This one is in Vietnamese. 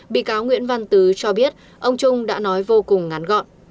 bị cáo nguyễn văn tứ cho biết ông trung đã nói vô cùng ngắn gọn